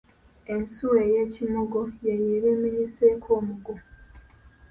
Ensuwa ey’ekimogo y’eyo eba emenyeseeko omugo.